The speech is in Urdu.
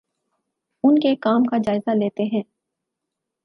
اُن کے کام کا جائزہ لیتے ہیں